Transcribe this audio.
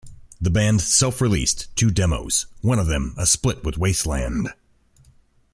The band self-released two demos, one of them a split with Wasteland.